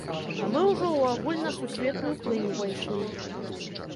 А мы ўжо ў агульнасусветную плынь увайшлі.